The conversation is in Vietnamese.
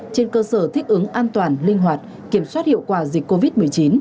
trên cơ sở thích ứng an toàn linh hoạt kiểm soát hiệu quả dịch covid một mươi chín